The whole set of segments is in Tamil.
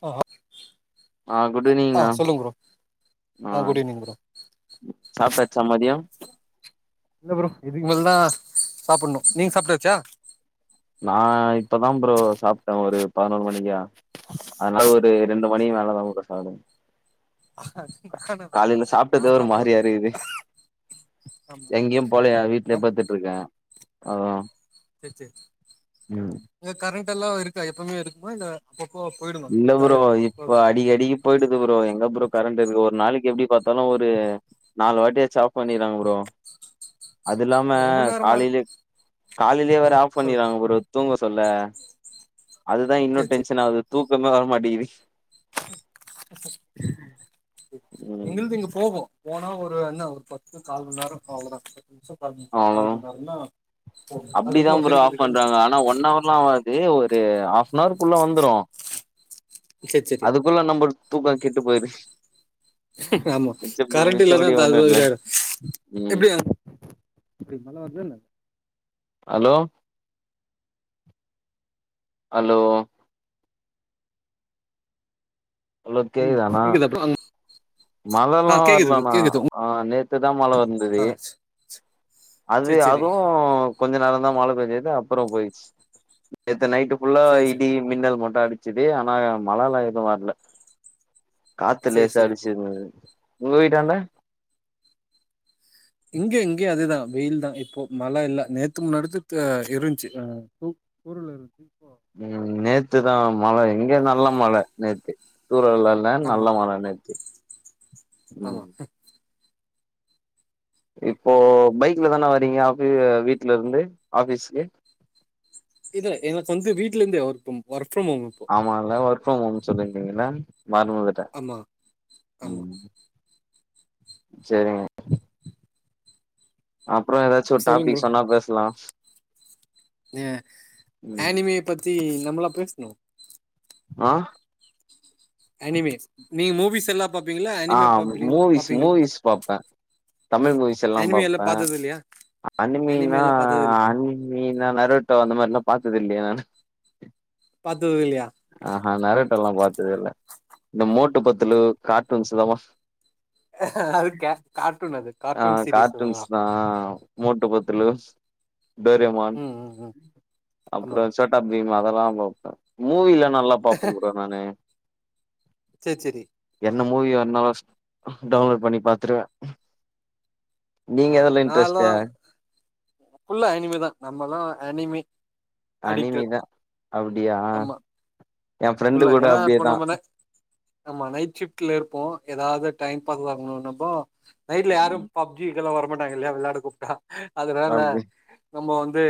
ஆ ஆ குட் ஆ ஈவினிங்ணா சொல்லுங்க ப்ரோ ஆ குட் ஈவினிங் ப்ரோ சாப்ட்டாச்சா மதியோ இல்ல ப்ரோ இதுக்கு மேல தா சாப்புட்ணு நீங்க சாப்ட்டாச்சா நா இப்பதா ப்ரோ சாப்ட்டே ஒரு பதினொரு மணிக்கா அதனால ஒரு ரெண்டு மணிக்கு மேல தா ப்ரோ சாப்டனு ஆ காலைல சாப்ட்டதே ஒரு மாரியா இருக்குது ஆமா எங்கயு போலயா வீட் லயே படுத்துட்டு இருக்கே அதா சேரி சேரி ம் ங்க கரண்ட் எல்லா இருக்கா எப்பமே இருக்குமா இல்ல அப்பப்போ போயிடு இல்ல ப்ரோ அது இப்போ அடிக் அடிக் போயிட்டுருக்கு ப்ரோ எங்க ப்ரோ கரண்ட் இருக்கு ஒரு நாளைக்கு எப்டி பாத்தாலு ஒரு நாலு வாட்டி ஸ்டாப் பண்ணிறாங்க ப்ரோ அது இல்லாம ரொம்ப நேரமா இரு காலைலயே காலைலயே ஆ வேற ஆஃப் சொல்லுங்க பண்ணிறாங்க ப்ரோ தூங்க சொல்ல அதுதா இன்னு சேர் சேர் டென்ஷன் ஆகுது தூக்கமே வரமாட்டிங்குது ம் எங்களுது இங்க போகு போனா ஒரு என்ன ஒரு பத்து கால் மண் நேரோ அவ்ளோதா பத்து நிம்ஷோ அது அவ்ளோதா அதுக்கு இப்ப என்னா அது போ திருப்பி ரீட்டன் அண்ணா ஒன் அவர் லா ஆவாது ஒரு ஹாஃப்னவர்க் குள்ள வந்துரு சேர் சேரி அதுக்குள்ள நம்பள் தூக்கோ கெட்டு போயிரு ஆமா கரண்ட் இல்லானா அது இல்ல இதாயிரு ம் இப்டியா இப்டி மழ வர்தான்ன ஹலோ ஹலோ ஹலோ புரில கேக்குதா ப்ரோ மழ ஆ எல்லா கேக்குது ப்ரோ வரலணா கேக்குது ஆ நேத்துதா மழ‌ ஆ வந்துது அது சேரி சேரி அதுவு கொஞ்ச நேரோ தா மழ பேஞ்சது அப்றோ போயிச்சு நேத்து நைட்டு ஃபுல்லா சேரி சேரி இடியு மின்னல் மட்டு அடிச்சுது ஆனா மழ எல்லா எது வரல காத்து சேரி லேசா சேரி ப்ரோ அடிச்சிது உங்க வீட்டாண்ட இங்கே இங்கேயு அதுதா வெயில் தா இப்போ மழ இல்ல நேத்து முந்தாநேத்து இருஞ்ச்சு தூரல் இருக்கு இப்போ ம் நேத்து தா மழ இங்க நல்ல மழ நேத்து தூரல்ல ல்ல நல்ல மழ நேத்து ஆ ம் இப்போ பைக்ல தானே வரீங்க ஆஃபீ வீட்ல இருந்து ஆபீஸ்க்கு இல்ல எனக்கு வந்து வீட்ல இருந்து work from work from home இப்போ ஆமா இல்ல ஒர்க் ஃப்ரம் ஹோம்னு சொல்லிருந்திங்களா மறந்து ட ஆமா ஆமா ம் சேரிங்க அப்றோ ஏதாச்சு ஒரு சொல்லுங்க டாபிக் ப்ரோ சொன்னா பேசலா ஆ ம் ஆனிமி பத்தி நம்மளா பேசுனோ ஆ அனிமீஸ் நீ மூவீஸ் எல்லா பாப்பீங்களா ஆ ஆனிமே பாப்பீங் மூவிஸ் பாப்பீங்களா மூவிஸ் பாப்பே தமிழ் மூவிஸ் எல்லா ஆனிமே பாப்பே பாத்தது இல்லையா ஆனிமே அனிமீன்னா எல்லா பாத்தது இல் அனிமீன்னா நரேட்டோ அந்த மாரில்லா பாத்ததில்லயே நானு பாத்துதில்லியா ஆஆ நரேட்டோல்லா பாத்ததில்ல இந்த மோட்டு பத்துலு கார்ட்டூன்ஸ்ல்லாமா அது கே கார்ட்டூன் அது ஆ கார்ட்டூன் சீரீஸ் கார்ட்டூன்ஸ் அதெல்லா தா மோட்டு பத்துலு, டோரியமான் ம் ம் ம் ஆமா அப்பறோ சோ ட்டா பீம் அதல்லா பாப்ப மூவிலா நல்லா பாப்ப ப்ரோ நானு சேர் சேரி என்ன மூவி ஏர்னாலு டவுன்லோட் பண்ணி பாத்துருவே நீங்க ஆ எதெல்லா நாலா இன்ட்ரெஸ்ட்டு ஃபுல்லா அனிமீ தா நம்மல்லா அனிமீ அனிமீ தா அப்டியா ஆமா எ ஃப்ரெண்டு ஃபுல்லா கூட ஏன்னா இப்ப அப்டியேதா நம்ம ந ஆமா நைட் ஷிஃப்ட்ல இருப்போ எதாவ்து டைம் பாஸ் ஆகணுனப்போ நைட்ல யாரு பப்ஜிகெல்லா வரமாட்டாங்க இல்யா விளாட கூப்ட்டா அதுனால அப்டி நம்ம வந்து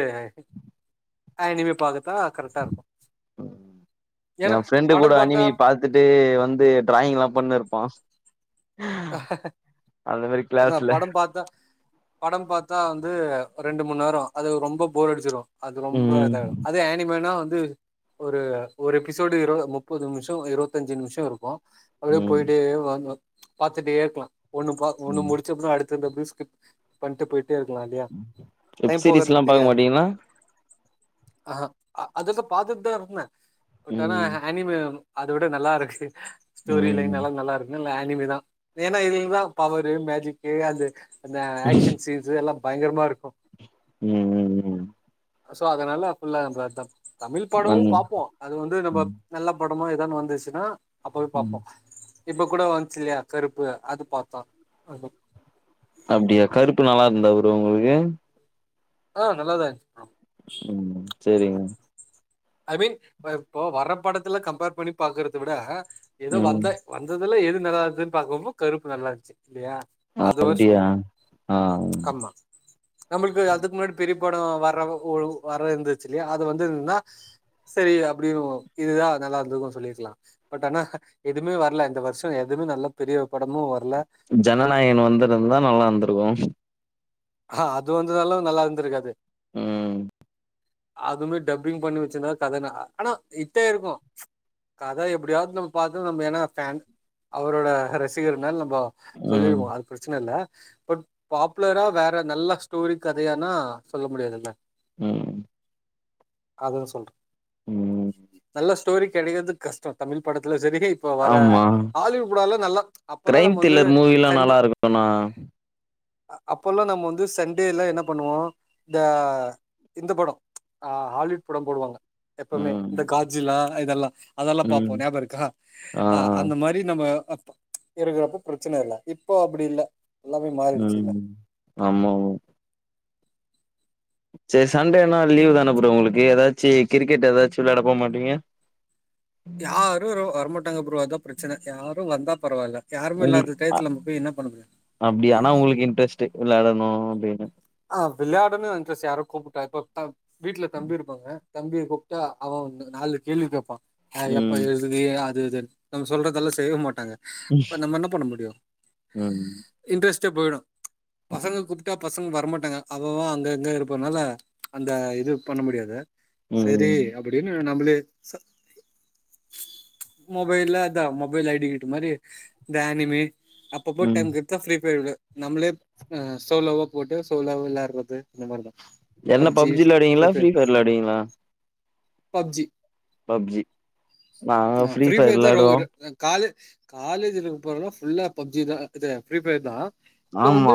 அனிமே பாக்கதா கரெக்ட்டா இருக்கு ஏன்னா எ ஃப்ரெண்டு கூட படம் பாத்தா அனிமீ பாத் துட்டு வந்து ட்ராய்ங் எல்லா பண்ணிருப்பா அந்த மாரி அதா க்ளாஸ்ல படம் பாத்தா படம் பாத்தா வந்து ரெண்டு மூண் நேரோ அதுல் ரொம்ப போர் அடிச்சிரு அது ரொம்ப ம் இதாய்டு அதே ஆனிமேனா வந்து ஒரு ஒரு எபிசோடு இரு முப்பது நிமிஷோ இருவத்தஞ்சு நிமிஷோ இருக்கு அதுவே ம் போய்ட்டே [unintelligible] பாத்துட்டு இர்க்கலா ஒன்னு பா ஒன்னு ம் முடிச்சப்பின்ன அடுத்தத் அப்டியே ஸ்கிப் பண்ட்டு போய்ட் டே இருக்கலா இல்லியா வெப் டைம் போகற்து சீரிஸ்லா பாக்க தெரியாது மாட்டீங்களா ஆ ஆ அ அதுக்க பாத்துட் தா இர்ந்தே பட் ஆனா ம் அ அனிமே அத விட நல்லா இருக்கு ஸ்டோரி லைன் ம் எல்லா நல்லா இருக்குனால எல்லா ஆனிமீ தா ஏனா இதுல் தா பவரு மேஜிக்கு அது அந்த ம் ஆக்ஷன் சீன்ஸ் எல்லா பயங்கரமா இருக்கு ம் ம் ம் சோ அதனால ஃபுல்லா நம்ப அதா தமிழ் படமு ம் பாப்போ அது வந்து நம்ப நல்ல படமா ஏதோன்னு வந்துச்சுன்னா அப்பவே ம் பாப்போ இப்ப கூட வந்ச்சில்லயா கருப்பு அது பாத்தா அது அப்டியா கருப்பு நல்லார்ந்தா ப்ரோ உங்களுகு ஆ நல்லா தா இர்ந்ச்சு ம் சேரிங் ப்ரோ ஐ மீன் ப இப்போ வர படத்துல கம்ப்பேர் பண்ணி பாக்கற்து விட எதோ ம் வந்த வந்ததுல எது நல்லார்க்துன் பாக்கும்போ கருப்பு நல்லார்ந்ச்சு இல்லயா அதுவார் அப்டியா சொல்றே ஆ ஆமா நம்ளுக்கு அதுக் முன்னாடி பெரியப்படோ வர ஓ ஒளுவு வர இர்ந்துச்சில்லயா அது வந்து இர்ந்தா செரி அப்டியு இதுதா நல்லா இர்ந்திருக்குன் சொல்லீர்க்கலா பட் ஆனா எதுமே வர்ல இந்த வர்ஷோ எதுமே நல்ல பெரிய படமு வர்ல ஜனநாயகன் வந்து இருந்தா நல்லா இந்திருக்கும் ஆ அது வந்ததாலும் நல்லா இருந்திருக்காது ம் அதுமே டப்பிங் பண்ணி வச்சிருந்த கததான் ஆனா இட் ஆயிருக்கும் கத எப்டியாவது நம்ப பார்த்தும் நம்ம ஏன்னா ஃபன் அவரோட ரசிகர்னால நம்ம வோம் ம் சொல்லிருவோம் அது பிரச்சன இல்ல பட் பாப்புலரா வேற ம் நல்ல ஸ்டோரி கதையானா சொல்ல முடியாதுல்ல ம் அதுன்னு சொல்றன் ம் நல்ல ஸ்டோரி கிடைக்கது கஸ்டம் தமிழ் படத்துல சரி இப்ப வர ஆமா ஆலிவுட் படல்லாம் நல்லா அப்போல்லாம் கிரைம் நம்ப வந்து த்ரில்லர் மூவிலா செண்டு நல்லா இருக்குண்ணா அப்போல்லாம் நம்ம வந்து சண்டேல என்ன பண்ணுவோம் இந்த இந்த படம் ஆ ஹாலிவுட் படம் போடுவாங்க எப்பமே ம் இந்த காஜிலா இதெல்லாம் அதெல்லாம் ம் பாப்போம் நாபகம் இருக்கா ஆ அந்த மாரி நம்ம அப்போ இருக்குறப்ப பிரச்சன இல்ல இப்போ அப்டி இல்ல எல்லாமே மாறிடுச்சுல்ல ம் ஆமா ம் சேரி சண்டேனா லீவ் தான ப்ரோ உங்ளுக்கு ஏதாச்சு கிரிக்கெட் ஏதாச்சு விளயாட போ மாட்டீங்க யாரும் வர வரமாட்டாங்க ப்ரோ அதா பிரச்சன யாரும் வந்தா பரவாயில்ல யாருமே இல்லாத டைத்துல நம்ப போய் என்ன பண்ணமுடியும் அப்டியா ஆனா உங்ளுக்கு இன்ட்ரெஸ்ட்டு விளாடணும் அப்டின்னு ஆ விளையாடனுன் இன்ட்ரெஸ் யாரோ கூப்ட்டா கூட்டா வீட்ல தம்பி இருப்பாங்க தம்பிய கூப்ட்டா அவன் நாலு கேள்வி கேப்பான் எப்ப ம் ஏது இதே அது இதுனு நம்ப சொல்றதெல்லாம் செய்ய மாட்டாங்க அப்ப நம்ம என்ன பண்ண முடியும் ம் இன்ட்ரெஸ்ட்டே போய்டும் ம் பசங்க கூப்ட்டா பசங்க வர வர மாட்டாங்க அவன் அவன் அங்க அங்க இருப்பனால அந்த இது பண்ண முடியாது செரி ம் அப்டின்னு நம்பளே ச மொபைல்ல அதான் மொபைல் ஐடிக்கேட்டு மாரி இந்த அனிமேட் அப் அப்பப்போ ம். டைம் கெட்ச்சா ஃப்ரீ ஃபயர் வி நம்பளே சோலோவா போட்டு சோலவா வில்லாற்றது இந்த மாரிதான் என்ன பப்ஜி விளையாடுவீங்ளா ஃப்ரீஃபயர் விளையாடுவீங்ளா பப்ஜி பப்ஜி நாங்க ஆ ஃப்ரீ ஃபயர் ஃப்ரீபயர் தான் விளாடுவோ ரோகிரு காலே காலேஜ்க்கு போறனுவோ ஃபுல்லா பப்ஜி தான் இது ஃப்ரீ ஃபயர் தான் ஆமா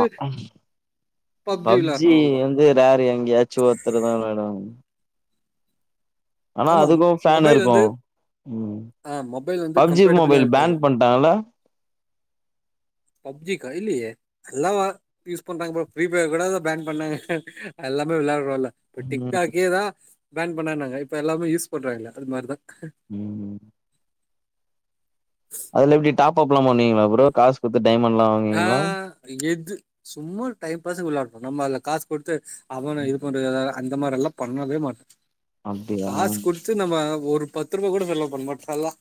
பப்ஜி விளாட்றோ அவ்ளோதா வந்து வேர எங்கயாச்சு ஒரத்துறுதான் விளையாடுவாங்க ஆமா அதுக்கு ஃபேன் மொபைல் இருக்கு வந்து ம் ஆ மொபைல் வந்து பப்ஜி கம்பட்டபிளா மொபைல் இருக்காது பேன் பண்ட்டாங்கல்ல பப்ஜி கைலேயே எல்லாம் யூஸ் பண்றாங்க ப்ரோ ஃப்ரீபயர் கூட பேன் பண்ணாங்க எல்லாமே விளையாடுறோல்ல இப்போ ம் டிக்டாக்கேதான் பேன் பண்ணனாங்க இப்ப எல்லாமே யூஸ் பண்றாங்கள அது மாரிதான் ம் ம் அதுல எப்டீ டாப்அப்லாம் பண்ணீவிங்ளா ப்ரோ காசு குத்து டைமண்ட்லாம் வா ஆ எது சும்மா டைம் பாஸ்க்கூ விளையாடுறோம் நம்ம அதுல காசு குடுத்து அவன இது பண்ண அது அது அந்த மாரிலாம் பண்ணவே மாட்டேன் அப்டியா காசு குடுத்து ஃபஸ்ட்டு நம்ம ஒரு பத்து ரூபாக் கூட செலவு பண்ண மாட்டேன் நால்லாம்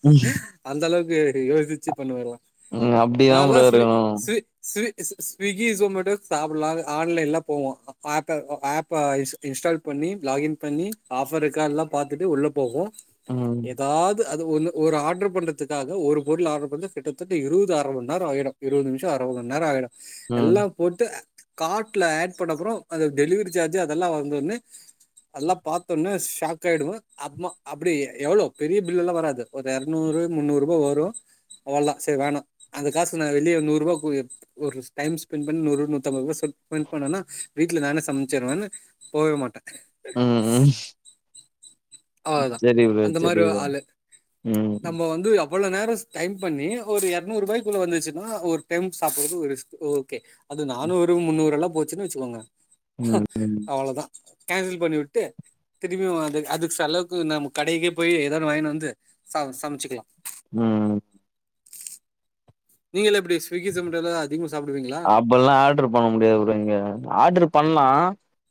அந்த அளவுக்கு யோசிச்சு பண்ணுவே எல்லாம் ம் அப்டிதா ப்ரோ நால்லாம் ஸ்வீ இருக்கணு து ஸ்வி ஸ்ஸ் ஸ்விகி ஜொமேட்டோ சாப்புலா அது ஆன்லைன்ல போவு ஆப்ப ஆப்ப இன்ஸ் இன்ஸ்டால் பண்ணி லாகின் பண்ணி ஆஃபர் இருக்கான்லா பாத்துட்டு உள்ள போகு ம் ஏதாது அது ஒன்னு ஒரு ஆர்டர் பண்றதுக்காக ஒரு பொருள் ஆர்டர் பண்றதுக் கிட்டத்தட்ட இருபது அரை மண் நேரோ ஆயிடு இருவது நிமிஷோ அர மண்நேரோ ஆயிடு ம் எல்லா போட்டு கார்ட்ல ஆட் பண்ணப்றோ அது டெலிவரி சார்ஜ் அதெல்லா வந்தோன்னே நல்லா பாத்தோன்னே ஷாக் காயிடுவோ அப்மோ அப்டி எவ்ளோ பெரிய பில்லுலா வராது ஒரு எர்நூறு முன்னூறு ரூபா வரு அவ்ளதா சேரி வேணா அந்த காசு நா வெளியே நூறு ரூபா கு ஒரு டைம் ஸ்பெண்ட் பண் நூறு நூத்தம்பது ரூபா சென்பென் ஸ்பென் பண்ணனா வீட்ல நானே சமச்சிருவேன்னு போவே மாட்டே ம் ம் அவ்ளதா செரி ப்ரோ அந்த மாரி செரி ப்ரோ ஆளு ம் நம்மோ வந்து அவ்வளோ நேரம் டைம் பண்ணி ஒரு எரநூற் ரூபாய்க்குள்ள வந்துச்சுன்னா ஒரு டைம் சாப்பிட்றது ஒரு ஓகே அது நானூறு முன்னூறெல்லா போச்சுன்னு வச்சுக்கோங்க ம் அவ்ளோதா கேன்சல் பண்ணி விட்டு திரமியூ அது அது செலவுக்கு நம்ம கடைக்கே போய் ஏதானு வாங்கினு வந்து சாதோ சமைச்சிக்லா ம் நீங்களா எப்டி ஸ்விக்கி சமட்டோலா அதிகமா சாப்டுவீங்களா இப்பல்லா ஆர்ட்ரு பண்ண முடியாதுங்க ப்ரோ இங்க ஆர்ட்ரு பண்லா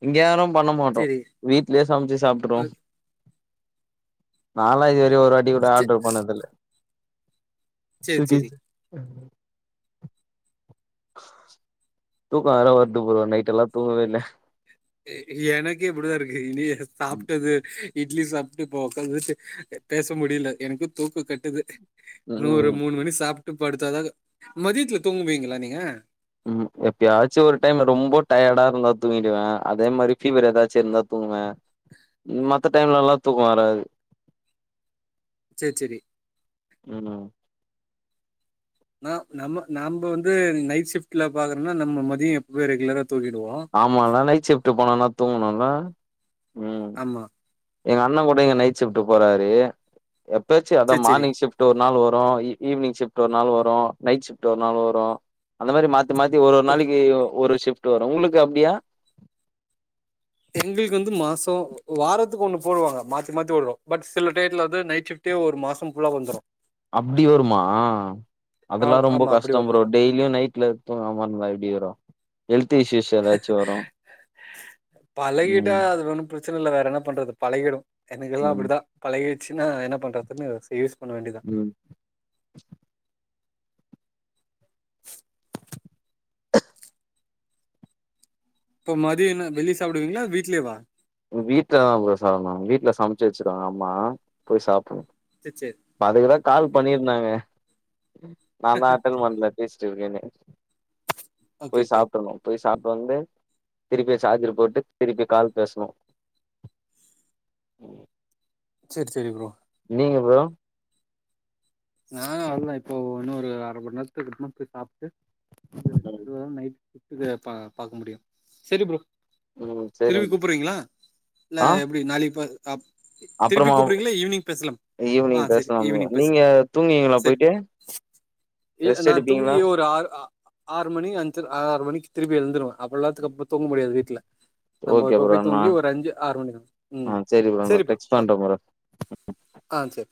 இங்க யாரு பண்ண மாட்டோ சரி வீட்லே சமைச்சு சாப்ட்ருவோ அஹ் நாலா இது வரை ஒரு வாட்டி கூட சே- ஆர்ட்ரு பண்ணதில்ல சரி சுகி சரி தூக்கோ வேற வருது ப்ரோ நைட்டெல்லா தூங்கவே இல்ல எ எனக்கே இப்டிதா இருக்கு இட்லிய சாப்ட்டது இட்லி சாப்ட்டு இப்போ உக்காந்து பேச முடில எனக்கு தூக்கோ கட்டுது இன்னு ஒரு ம் மூணு மணி சாப்ட்டு படுத்தாதா மதியத்துல தூங்குவீங்களா நீங்க ம் எப்பயாச்சு ஒரு டைம் ரொம்ப டயர்டா இருந்தா தூங்கிடுவே அதே மாரி பீவர் ஏதாச்சு இருந்தா தூங்குவே ம் மத்த டைம்ல எல்லா தூக்கோ வராது செரி செரி வேணா ந நம்ம நம்ப வந்து நைட் ஷிப்ட்ல பாக்குறோனா நம்ம மதியோ எப்பவே ரெகுலரா தூங்கிடுவோ ஆமாலா நைட் ஷிப்ட்ட் போனோனா தூங்குணோல்ல ம் மா எங்க அண்ணே கூட இங்க நைட் ஷிப்ட் போறாரு எப்பயாச்சு அதா சேரி சேரி மார்னிங் ஷிப்ட் டு ஒரு நாள் வரு ஈ ஈவினிங் ஷிப்ட் ஒரு நாள் வரு நைட் ஷிப்ட் ஒரு நாள் வரு அந்த மாதிரி மாத் தி மாத்தி ஒரு ஒரு ஓகே நாளைக்கு ஒரு ஷிப்ட் வரு உங்களுக் அப்டியா எங்களுக் வந்து மாசோ வாரத்துக்கு ஒன்னு போடுவாங்க மாத்தி மாத்தி ஒருக்கா பட் சில டைத்ல வந்து நைட் ஷிப்ட் டே ஒரு மாசோ ஃபுல்லா வந்துரு அப்டி வருமா ஆ அதெல்லா ரொம்ப ஆமா அப்டி கஷ்டோ ப்ரோ வந்துரு டெய் லியு நைட்ல தூங்காம இருந்தா எப்டி வரு ஹெல்த் இஸ்யூஸ் ஏதாச்சு வரு பழகிட்டா ம் அது ஒன்னும் பிரச்சன இல்ல வேற என்ன பண்றது பழகிடு எனக்கெல்லா ம் அப்டிதா பழகிருச்சுன்னா என்ன பண்றதுன்னு ஸ் யூஸ் பண்ண வேண்டிதா ம் இப்போ மதியம் என்ன வெளிய சாப்டுவீங்ளா வீட்லே வா வீட்லதா ப்ரோ சாப்னோ வீட்ல சமச்சு வச்சிப்பாங்க அம்மா போய் சாப்புன்னோ சேரி சேரி அதுக்கு தா கால் ஓகே ஓகே பண்ணிருந்தாங்க நா தா ஆட்டன் பண்ல பேசிட்டிருக்கன்னு ஓகே போய் ஓகே சாப்புன்னோ போய் சாப்ட்டு வந்து திருப்பி சார்ஜர் போட்டு திருப்பி கால் பேசணு ம் செர் செரி ப்ரோ நீங்க ப்ரோ நானு வர்லா இப்போ இன்னொரு அர மண் நேரத்துக்கு [unintelligible] போய் சாப்ட்டு நல்லது ஃபோன் பண்ணி புத்து கோயில பா பாக்க முடியும் செரி ப்ரோ ம் திருப்பி சேரிங் கூப்றீங்ளா இல்ல ஆ எப்டி நாளைக்கு பே அ திருப்பி அப்றமா கூப்றீங்ளா ஈவ்னிங் பேசலாம் ஆ சரி ஈவ்னிங் பேசு ஆ தூங்கிங்க சர் நா எடுப்பீங்களா தூங்கியே ஒரு ஆறு ஆ ஆறு மணி அஞ்சுர ஆறு மணி திரும்பி எழுந்துடுவே அப்பலா திருப்ப தூங்க முடியாது வீட்ல நம்போ ஓகே இப்ப ப்ரோ போய் நா தூங்கி ஒரு அஞ்சு ஆறு மணி ஆ ம் சேரி நா செரி ப்ரோ டெக்ஸ்ட் பாப் பண்ற ப்ரோ ஆ சர்